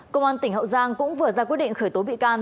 công an tỉnh hậu giang cũng vừa ra quyết định khởi tố bị can